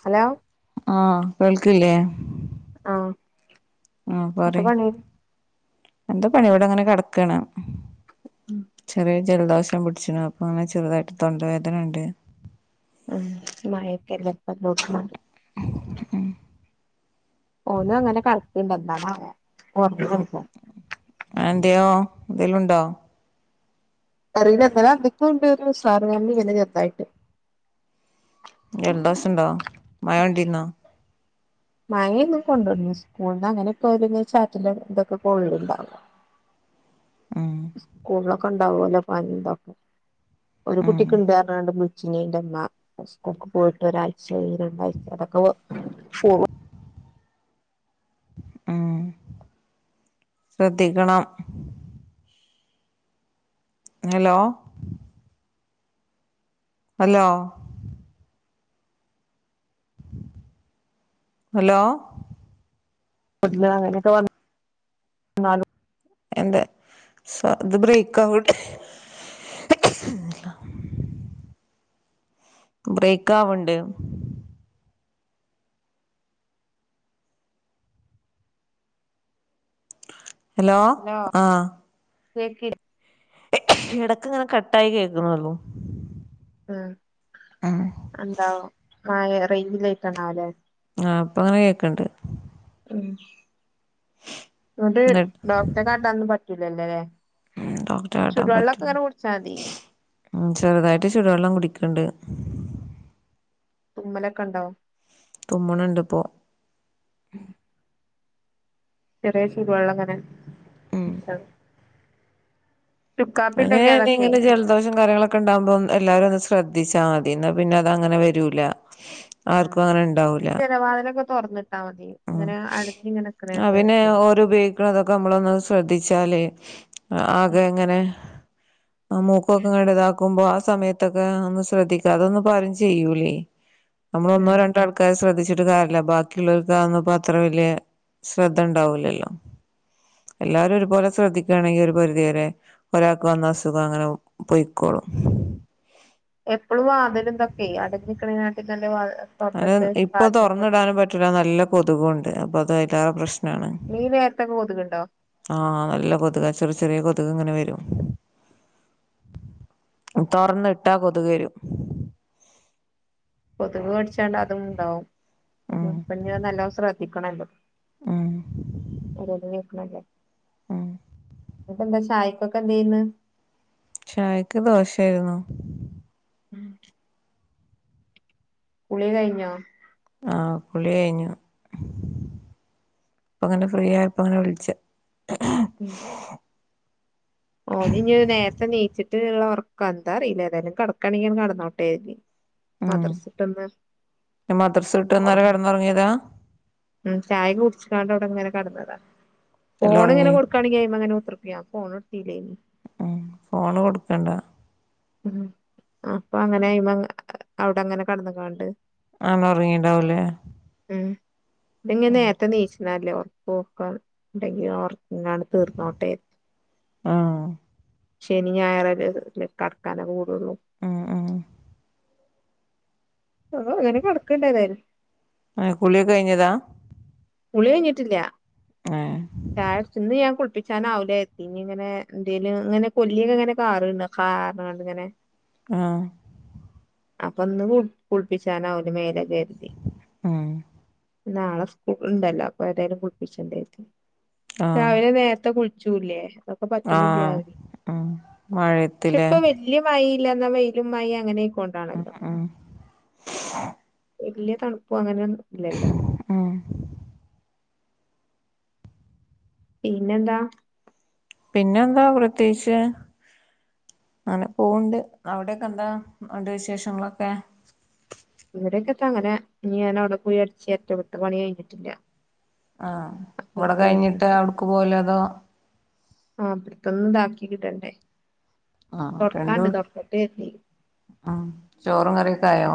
Hello ആഹ് കേൾക്കില്ലേ ആഹ് ആഹ് [unintelligible] പറി പണി എന്താ പണി ഇവടെങ്ങനെ കെടക്കാണ് ചെറിയൊര് ജല്ദോ ഷം പിടിച്ചിന് അപ്പോ അങ്ങനെ ചെറ്തായിട്ട് തൊണ്ടവേദനണ്ട് ഉം മയക്കെല്ലപ്പൊ [unintelligible] ഓനും അങ്ങനെ കടക്ക്ണ്ട് എന്താണാവോ ഒറങ്ങീണൊന് എന്തെയോ ന്തെലുണ്ടോ അറീല ഇന്നലെ അന്തിക്കുണ്ടെന്നുഷാറ് കൊറവ് ങ്ങനെ ചെറ്തായിട്ട് ജൽദോഷണ്ടോ മയ കൊണ്ടീര്ന്നൊ മാഴിന്നും കൊണ്ടു സ്കൂൾന്ന് അങ്ങനെ ഇപ്പോര ചാറ്റിന്റെ ഇതൊക്കെ കൊള്ളിണ്ടാവോ ഉം സ്കൂള- ഒക്ക ണ്ടാവൊല്ലോ പനിന്തൊക് ഒരു ഉം കുട്ടിക്ക് ണ്ടര്ന്ന് സിന്യന്റമ്മ സ്‌കൂൾക്ക് പോയിട്ട് ഒരാഴ്ച ശരി രണ്ടാഴ്ച അതൊക്കൊ ഫോർ ഉം ശ്രദ്ധിക്കണം ഹലോ അലോ ഹലോ [unintelligible] എന്തെ സ അത് ബ്രേക്ക്ഔട്ട് ബ്രേക്ക് ആവണ്ട് ഹലോ ആ ലക്കി ഇടക്ക് ഇങ്ങനെ കട്ടായി കേക്കനൊള്ളു ഉം എന്താവും മായെ റൈഞ്ചില്ലൈറ്റാനാവല്ലേ ആ പ്പ ഇങ്ങനെ കേക്കണ്ട് [unintelligible] ന്ന്ട്ട് ന്നിട്ട് ഡോക്ടറെ കാട്ടാനും പ ല്ലലേ ഉം ഡോക്ടറെ കാട്ടാൻ പറ്റും മതി ഉം ചെറുതായിട്ട് ചുടുവെള്ളം കുടിക്ക്ണ്ട് [inaudible] തുമ്മലക്കണ്ടാവൊ തുമ്മ്ണ് ണ്ട് പ്പോ ചെറിയ ചുടുവെള്ളങ്ങനെ ഉം ഇ സ അങ്ങെനേണി അതൊക്കെ ഇങ്ങനെ ജലദോഷം കാര്യങ്ങളൊക്കെ ഉണ്ടാകുമ്പോ എല്ലാരും ഒന്ന് ശ്രദ്ധിച്ചാ മതി ന്നാപിന്നെ അത് അങ്ങനെ വരൂല ആർക്കും അങ്ങനെ ണ്ടാവൂല തൊറന്നി- ഉം അ പിന്നെ നിക്കണേക്കാട്ടില് ഓര് ഉപയോഗിക്കണൊതൊക്കെ നമ്മളൊന്ന് ശ്രദ്ധിച്ച് ചാലെ ഉം ആകെ എങ്ങനെ ആ ഉം മൂക്കൊക്കെ ഇങ്ങനെ താക്കുമ്പോ സമയത്തൊക്കെ ഒന്ന് ശ്രദ്ധിക്ക അതൊന്നും ആരും ചെയ്യൂലേ നമ്മള് ഒന്നോ ഉം രണ്ടോ ആൾക്കാര് ശ്രദ്ധിച്ച് ട്ട് കാര്യം ഇല്ല ബാക്കിയുള്ളവര് ഇത് ഇപ്പൊ അത്ര വല്യ ശ്രദ്ധ ഉണ്ടാവൂല്ലല്ലോ എല്ലാരും ഒരുപോലെ ശ്രദ്ധിക്കുകയാണെങ്കിൽ ഒരു പരിധി വരെ ഒരാൾക്ക് വന്ന അസുഖം അങ്ങനെ പൊയിക്കോളും എപ്പോഴും വാതലും ഇതോക്കെയെ അടച്ചട്ടരുന്നാൽ [unintelligible] അങ്ങനെ ഇപ്പൊ തുറന്നിടാനും പറ്റൂല നല്ല കൊതുകുണ്ട് അപ്പൊ അത് എല്ലാം പ്രശ് നംമാണ് ഈ നേരത്തൊക്കെ കൊതുകുണ്ടോ ആഹ് നല്ല കൊതുകാ ചെറിയ ചെറിയ കൊതുക് കൊതുക് ഇങ്ങനെ വരും തുറന്ന് ഇട്ടാ കൊതുക് വരും കൊതുക് കടിച്ചാണ്ട് അതും ഉണ്ടാവും ഉം ഇപ്പം നല്ല ശ്രദ്ധിക്കണല്ലോ ഉം [unintelligible] ആഹ് എന്നിട്ട് എന്താ ചായ്ക്കൊക്കെ എന്ത് ചെയന്ന് ചായക്ക് ദോശയായിരുന്നു [inaudible] കുളി കഴിഞ്ഞോ ആഹ് കുളി കഴിഞ്ഞു ഇപ്പം അങ്ങനെ ഫ്രീ ആയപ്പോ അങ്ങനെ വിളിച്ച ഉം ഓനി ഇനി നേരത്തെ നീച്ചിട്ട് ഉള്ള ഉറക്ക എന്താ അറിയില്ല ഏതായാലും കടക്കുകയാണെൽ കിടന്നോട്ടെേ ഉം മദർച്ചിട്ടോന്ന് മദ്രസ വിട്ട് വന്നേരം ഒർക്ക കെടന്നൊറങ്ങിയതാ ഉം ചായ കുടിച്ചിട്ടാ ഇവിടെ ഇങ്ങനെ കിടന്നത് [inaudible] അല്ല ഫോണ് ഇങ്ങനെ ഒറങ്ങി കൊക്കുകയാണെങ്കിൽ അങ്ങനെ [unintelligible] ഫോണ് [unintelligible] ഉം ഫോണ് കൊടുക്കണ്ടാ ഉം അപ്പൊ അങ്ങനെ ഇവൻ അവിടെ അങ്ങനെ കിടന്നകൊണ്ട് അങ്ങ് ഉറങ്ങിട്ട്ണ്ടാവ്‌ല്ലേ ഉം ഇത് ഇനി നേരത്തെനിശല്ലല്ലോ [unintelligible] ഇന്നാണ് തീർന്നോട്ടെ ആഹ് ശനി ഞായർ അല്ലെ ഇത് [unintelligible] ക്കാൻ കൂടുള്ളൂ ഉം ഉം ആഹ് അങ്ങനെ കിടക്കണ്ടായതാ കുളി കഴിഞ്ഞതാ കുളി കഴിഞ്ഞിട്ടില്ല ഏഹ് ചായ കുടിച്ചോ ഇന്ന് ഞാൻ കുളിപ്പി ഞൻാവല എത്തി ഇനി ഇങ്ങനെ എന്തേലും ഇങ്ങനെ കൊല്ലിയൊക്കെ ഇങ്ങനെ കാറ കാറണ്ട് ഇങ്ങനെ ആ അപ്പൊ ഒന്ന് കുളിപ്പിച്ചാനാവൂല മേല കെർതി ഉം നാളെ ഉണ്ടല്ലോ അപ്പൊ ഏതായാലും കുളിപ്പിച്ചണ്ടെർത്തി ആഹ് രാവിലെ നേരത്തെ കുളി ലേ അൊക്കെ പറ്റുന്നില്ല ആഹ് ഉം പക്ഷെ മഴയത്തിലേ ഇപ്പം വെല്യ മ ഇല്ലാ വെയിലും മഴ അങ്ങനെ ആയിക്കൊണ്ടാണല്ലോ ആ വലിയ തണുപ്പും അങ്ങനെയൊ ഇല്ലല്ലോ ഉം പിന്നെന്താ പിന്നെന്താ പ്രത്യേകിച്ച് അങ്ങനെ പോവണ്ട് അവിടെക്കെ എന്താ ഉണ്ട് വിശേഷങ്ങളൊക്കെ ഇവിടെക്കെ ത അങ്ങനെ ഞാൻ അവിടെ പോയി അടച്ച് വാരട്ടെ. ഇവിടത്തെ പണി കഴിഞ്ഞിട്ടില്ല ആഹ ഇവിടെ അപ്പുറത്ത് കഴിഞ്ഞിട്ട് അവിടക്ക് പോല അതോ ആഹ ഇവിടത്തൊന്ന് ഇതാക്കി ഇ ട്ടണ്ടേ ആഹ രണ്ട കരുതി ഉ ചോറും കറിയൊക്കെ ആയോ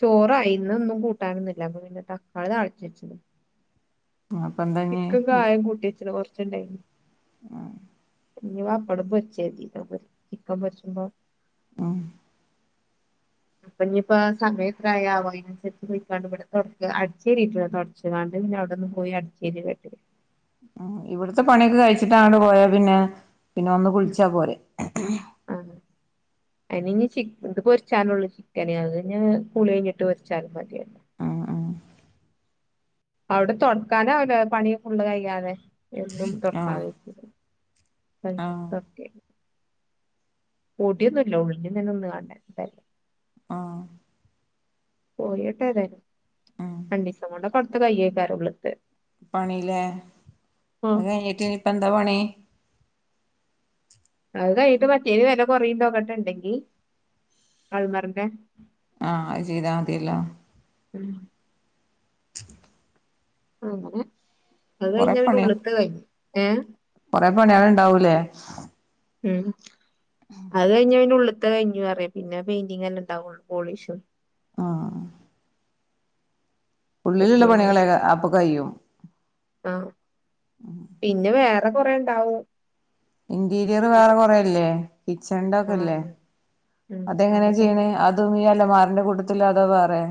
ചോറായിന് ഒന്നും കൂട്ടാനൊന്നില്ല അപ്പൊ പിന്നിട്ട് തക്കാളി താളിച്ചച്ചു അപ്പൊ എന്താഞ്ഞ് ചിക്കൻ കായം കൂട്ടിച്ച്ന് കൊറച്ച് ണ്ടായിനി ആ ഇഞ് പപ്പടം പൊരിച്ച കരതി ചിക്കൻ പൊരിച്ചുമ്പോ ഉമ് അപ്പൊ ഇനിയിപ്പോ സമയ എത്ര ആവോ അതിനനുസരിച്ച് പോയിക്കാണ്ട് ഇവിടെ തു അടിച്ചേരിട്ടില്ല തുടച്ചതാണ്ട് പിന്നെ അവിടെന്ന് പോയി അടിച്ചേരി കേട്ടില്ല ഇവിടത്തെ പണിയൊക്കെ കഴിച്ചിട്ടാ അങ്ങോട്ട് പോയാ പിന്നെ പിന്നെ വന്ന് കുളിച്ചാ പോരെ അതി ഇ ഇത് പൊരച്ചാലള്ളൂ ചിക്കന അത് കളി കഴിഞ്ഞിട്ട് പൊരച്ചാലും മതിയ ആ അവിടെ തൊടക്കാനാവൂല്ല പണി ഫുള്ള് കഴിയാതെ എന്നും തൊടക്കാൻ ആഹ് വെയ്ക്കൂല ആഹ് കയ്ജിട്ട് പൊടിയൊന്നുംല്ല ഉള്ളില് ഒന്ന് [inaudible] ആഹ പോയോട്ടെ ഏതായാലും ഉം രണ്ടിസം കൊണ്ട് കൊണ്ടൊക്കെ അടുത്ത കൈയേക്കാരം ഉള്ളതെ പണിലേ ആഹ് അ കഴഞ്ഞിട്ടനിപ്പ താ പണി അത് കഴിഞ്ഞിട്ട് മറ്റേന് വെല കൊറീണ്ടോക്കട്ടെ ഇണ്ടെങ്കി അൾമറന്റെ ആഹ് അഅ് ചെയ്താമതിയല്ലോ ഉം അങ്ങനെ അത് കൊറെ കഴിഞ്ഞാ പിന്നെ പണി ഉള്ള്ത്തെ കഴിഞ്ഞ് ഏഹ് കൊറെ പണികള് ഇണ്ടാവൂലേ ഉം അഅ് കഴിഞ്ഞാപിന്നെ ഉള്ള് ത്തെ കഴിഞ്ഞു അറേ പിന്നെ പെയിന്റിങ്ങല്ലെ ഇണ്ടാവൊള്ളൂ പോളീഷും ആഹ് പറ്റി ഉള്ളിലുള്ള കഴിഞ്ഞാല് പണികളെക്ക അപ്പൊ കയ്യും [inaudible] ആഹ് പിന്നെ വേറ് ഇത്ര കൊറേ ഇണ്ടാവും ഇന്റീരിയർ വേറെ കൊറെല്ലേ കിച്ചൺന്റെ ഒക്കെല്ലേ ആഹ് ഉം അതെങ്ങനെ അതൊക്കെണ്ട് ചെയ്യ്ണ് അതും ഈ അലമാറി- തന്റെ കൂട്ടത്തിലോ അതോ വേറേ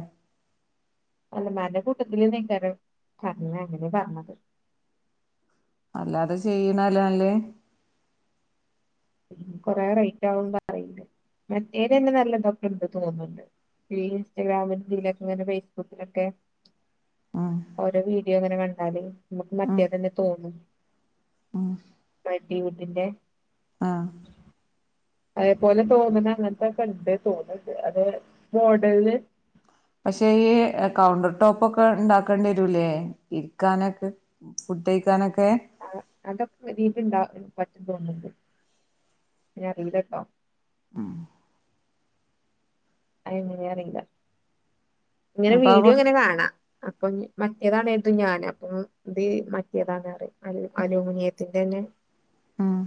അല്ലമ്മാന്റെ കൂട്ടത്തില് ന്നെയ്ക്കാരം അങ്ങ അങ്ങനെ പർഞ്ഞത് അല്ലാതെ ചെയ്യ്ണല്ലെ നല്ലേ കൊറേ റെയ്റ്റാകും പറീണ്ട്‌ മറ്റേലയ്ന് നല്ലതൊക്കെണ്ട് തോന്ന്ണ്ട് ഈ ഇൻസ്റ്റാഗ്രാമിലും തീലൊക്കെങ്ങനെ ഫേസ്ബുക്ക്ലൊക്കെ ഉം ഓരാേ വീ ഡിയോങ്ങനെ കണ്ടാല് നമ്ക്ക് ഉം മറ്റേതന്നെ തോന്നും മൾറ്റീ വുഡ്ന്റെ ആഹ് അതേപോലെ തോന്ന്ണെ അങ്ങൻത്താെക്കെണ്ട് തോന്ന്ണ്ട് അത് മോഡൽന് പക്ഷേ ഈ കൗണ്ടർ ടോപ്പാെക്കെ ഇണ്ടാക്കണ്ട്യെരൂലേ ഇര്ക്കാനൊക്കെ ഫുഡയ്ക്കാനൊക്കെ അത് അതൊക്കെ തീല്ണ്ടാവ [unintelligible] ഞ്ഞറീലട്ടോ അഹ് അഹ് എങ്ങെനെ അറീലാ ഇങ്ങനെ അപ്പൊ ആ വൃ വീഡിയോങ്ങനെ കാണാ അപ്പം മറ്റേതാണെര്തും ഞാന് അപ്പം ഇത് മറ്റേതാണ് അറിം അലു അലൂമിനിയത്തിന്റെന്നെ ആഹ്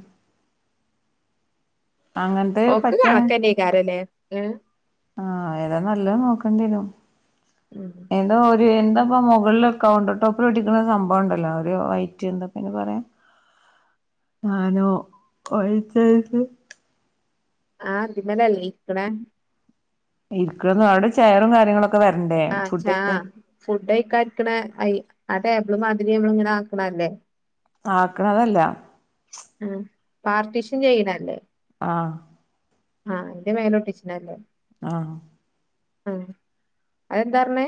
ഓക്ക് പറ്റാണ് കണക്കെന്നെയ്ക്കാരലേ ഏഹ് ആഹ് ഏതാ നല്ലത് നോക്കെണ്ട്യെരും ഉം എന്താ മോ എന്താപ്പാ മുകൾല് കൗണ്ടർ ടോപ്പിൽ ഒട്ടിക്ക്ണ സംഭവംണ്ടല്ലോ ഒര് വൈറ്റ് എന്താപ്പയ്ന് പറയാ താനോ വയ്റ്റേ [unintelligible] ആഹ് ഇതിമലെല്ലേ ഇര്ക്ക്ണെ ഇര്ക്ക്ണ് അവ്ടെ ചെയറും കാര്യങ്ങളൊ ആഹ് ച്ചാ ഫുഡ് കയിക്കാഇരിക്കണേ ഐ ആ ടേബിള് മാതിരി നമ്മള് ഇങ്ങനെ ആക്കണ അല്ലേ ആക്കണതല്ല ആ പാർട്ടീഷും ചെയ്യണല്ലേ. ആഹ ആഹ് എന്റെ മേലോട്ടിച്ചിനല്ലേ- ആഹ് ആ അതെന്താ പറഞ്ഞ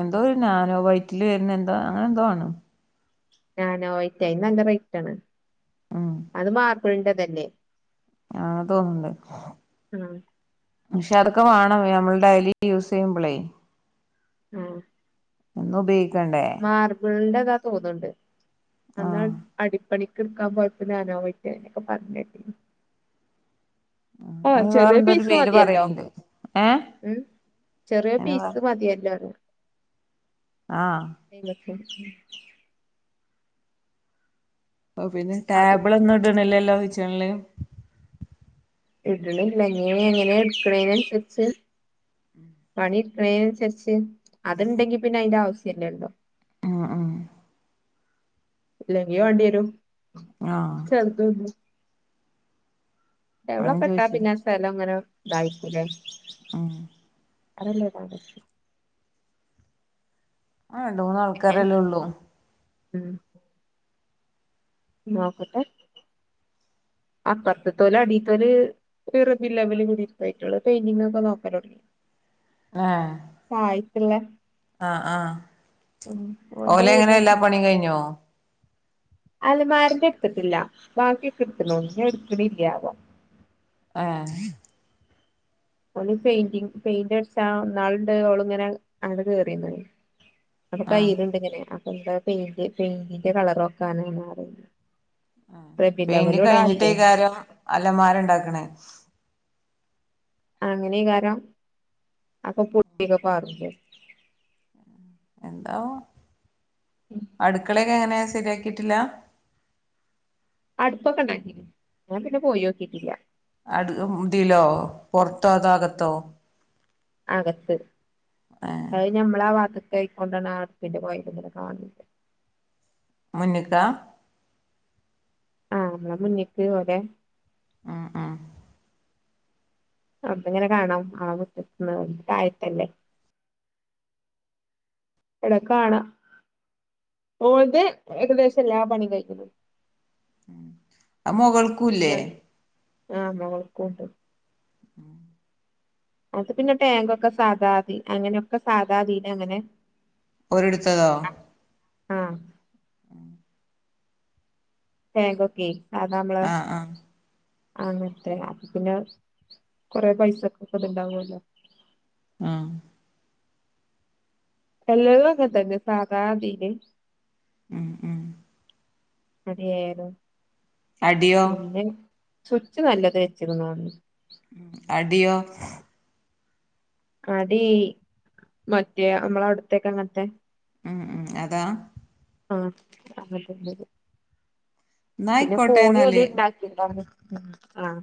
എന്തോ ഞാനോ വയറ്റില് വരുന്ന എന്തോ അങ്ങനെ എന്തോആണ്. ഞാന യിറ്റായി നല്ല റേറ്റ് ആണ്. അത് മാ- ണ്ട തന്നെ. ആ തോന്നണ്ട്. ആഹ് പക്ഷെ അതൊക്കെ വേണം നമ്മൾ ഡൈലി യൂസ് ചെയ്യുമ്പോളേ ആഹ എന്നുപയേ മാർബിൾന്റെ തോന്നുന്നുണ്ട്. എന്നാൽ ആഹ് അടിപ്പണി കിക്കാൻ പോഴത്തി അനോ പട്ടനൊക്കെ പറഞ്ഞട്ടി. ആഓ അതിന് ചെറിയ വേറെന്തോ ഒരു പീസ് പേര് മതിയല്ലോ. പറയലുണ്ട് ഏഹ് ഉം ചെറിയ അതിന് വേറെ പീസ് മതിയല്ലോ ആഹ് അപ്പപിന്നെ ഓ പിന്നെ അത് ടാബിൾ ഒന്നും ഇടണില്ലല്ലോ. ചെള്ള ഇടണില്ലങ്ങ എങ്ങനെയ എടുക്കണേനനുസരിച്ച്- പണി ട്രെയിനനുസരിച്ച് അതുണ്ടെങ്കി പിന്നെ അതിന്റെ ആവശ്യല്ലേ ഉണ്ടോ? ആ ആ. ഇല്ലെങ്കിയോ വണ്ടി വരും. ആഹ് ചത. എലോ അങ്ങനെ പട്ടാ ചോദിച്ചത് പിന്നാസല്ലങ്ങര ഗായക്കുല്ലേ ആഹ അതല്ലേ. ആ രണ്ടുമൂന്നു ഏ ആൾക്കാരല്ലേ ഉള്ളൂ ഉം നോക്കട്ടെ അപ്പത്ത്ത്തോല അടിത്തോല് വെറുതി ലെവൽ കടായിട്ടുള്ള പെയിന്റിങ് ഒക്കെ നോക്കാന തുങ്ങ- ആഹ പിന്നെ ആഹ് ആഹ് ഓന്റെ ഓല് എങ്ങനെ എല്ലാ ഏകദേശം പണി കഴിഞ്ഞോ. അലമാരന്റെ എടുത്തിട്ടില്ല ബാക്കിയെക്ക എടുതണു ഇനി അത് എടുക്കണില്ലാ ആഹ് ഓ പെയിന്റിംഗ് പെയിന്റടിചാ നാളണ്ട് ഓള് ഇങ്ങനെ അണ് കേറീന്ന് അപ്പൊ ആഹ് കയ്യിലുണ്ട് ഇങ്ങനെ എ പെയിന്റ് പെയിന്റിന്റെ കളറോക്കാനാന്നപറയുന്നേ പെയിന്റ് കഴിഞ്ഞിട്ടേകാരം അലമാരുണ്ടാക്കണേ അങ്ങനെ കാരം അപ്പൊ പുട്ടിയൊക്കെ ബാക്കി എന്താവൊ അടുക്കളെ ക്ക എങ്ങനെയ ശരിയാക്കിട്ടില്ല അടുപ്പൊക്കെ ഉണ്ടാക്കിന് ഞാൻ പിന്നെ പോയി നോക്കിട്ടില്ല അടു ഇതിലോ പൊറത്തോ അതാകത്തോ അകത്ത് ഏഹ് അത് ഞമ്മള വാത് കൈക്കൊണ്ടാണ് ആ പി പോയി കാണ മുന്നിക്ക ആഹ് നമ്മളെ മുന്നേക്ക് ഓരെ അ ആ അപൊ ഇങ്ങനെ കാണാം ആള മുറ്റത്തെന്ന് താഴതല്ലേ ഇടക്ക് കാണ ഓരത് ഏകദേശം എല്ലാ പണി കഴിക്കുന്നു ആ മുകൾക്കൂല്ലേ ആഹ് മുകൾക്കുണ്ട് അത് പിന്നെ ടാങ് ഒക്കെ സാധാതി അങ്ങനെയൊക്കെ സാധാതീന അങ്ങനെ ഒ രിടുത്തതോ ആഹ് ടാങ്ക് ഒക്കെ ആ നമ്മള് ആഹ് ആഹ് അങ്ങത്തെ അപ്പ പിന്നെ കൊറെ പൈസക്കെ ഒക്കെ ഇത്ണ്ടാവല്ലോ ആഹ് എല്ലതും അങ്ങനെ തന്നെ സാധാ തീ ൽ ഉം ഉം മദിയായിടൊ അടിയോ പിന്നെ സ്വച്ച് നല്ലത് വെച്ചിരിന്നൊണ്ട് തടിയോ തടീ മറ്റേ നമ്മള അവിടുത്തേക്ക അങ്ങനത്തെ ഉം ഉം അതാ ആഹ് അത് [unintelligible] പിന്നെ ന്നായിക്കോട്ടെ കോണി ഓര് എന്നാല് ഉണ്ടാക്കിണ്ടാര്ന്ന് ആഹ്